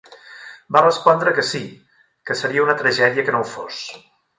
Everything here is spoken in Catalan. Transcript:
Va respondre que sí, que seria una tragèdia que no ho fos.